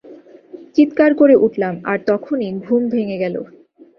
চিৎকার করে উঠলাম, আর তখনই ঘুম ভেঙে গেল।